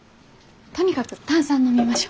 とにかく炭酸飲みましょ。